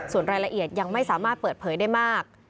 ส่วนรายละเอียดยังไม่สามารถเปิดเผยได้มาก